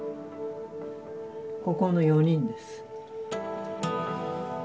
ここの４人です。